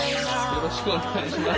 よろしくお願いします。